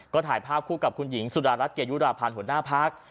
ก็ถ่ายภาพกับคุณหญิงสุดารัตรเกียยยุดราผ่านหัวหน้าพรรค